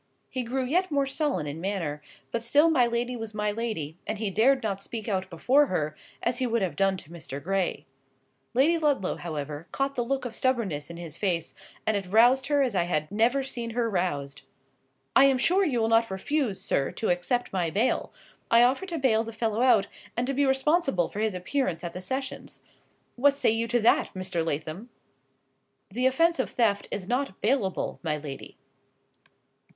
He grew yet more sullen in manner; but still my lady was my lady, and he dared not speak out before her, as he would have done to Mr. Gray. Lady Ludlow, however, caught the look of stubborness in his face, and it roused her as I had never seen her roused. "I am sure you will not refuse, sir, to accept my bail. I offer to bail the fellow out, and to be responsible for his appearance at the sessions. What say you to that, Mr. Lathom?" "The offence of theft is not bailable, my lady."